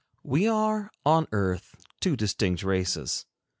We are, on earth, two distinct races.